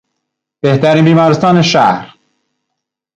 بهترین بیمارستان شهر